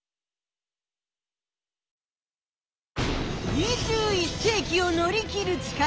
２１世きを乗り切る力。